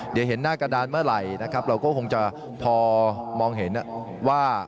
เดี๋ยวเห็นหน้ากระดานเมื่อไหร่นะครับเราก็คงจะพอมองเห็นว่า